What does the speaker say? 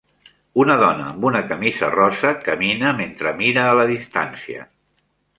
Una dona amb una camisa rosa camina mentre mira a la distància.